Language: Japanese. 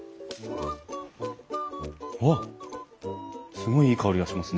すごいいい香りがしますね。